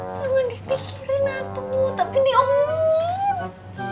jangan dipikirin atuh tapi diomongin